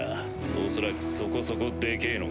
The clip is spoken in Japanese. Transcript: おそらくそこそこでけぇのが。